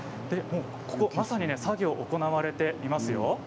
まさに作業が行われていますよ。